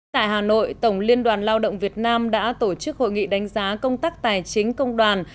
tại hà nội tổng liên đoàn lao động việt nam đã tổ chức hội nghị đánh giá công tác tài chính công đoàn